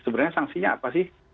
sebenarnya sanksinya apa sih